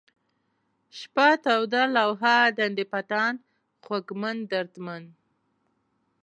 شپه ، توده ، لوحه ، ډنډ پټان ، خوږمن ، دردمن